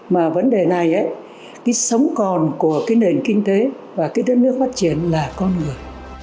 mà vấn đề này cái sống còn của cái nền kinh tế và cái đất nước phát triển là con người